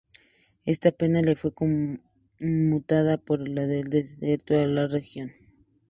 Esta pena le fue conmutada por la de destierro a otra región.